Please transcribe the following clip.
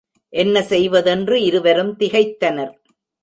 என்ன செய்வதென்று இருவரும் திகைத்தனர்.